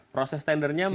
proses tendernya menurut